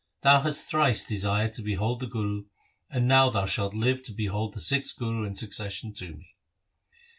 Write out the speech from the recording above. Thou hast thrice desired to behold the Guru, and now thou shalt live to behold the sixth Guru in succession to me."